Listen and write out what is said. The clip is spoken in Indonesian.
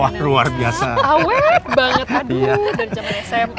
wah luar biasa awet banget